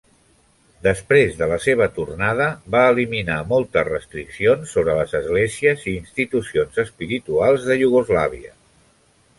Després de la seva tornada, va eliminar moltes restriccions sobre les esglésies i institucions espirituals de Iugoslàvia.